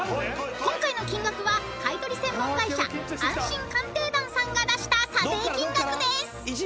［今回の金額は買い取り専門会社安心鑑定団さんが出した査定金額です］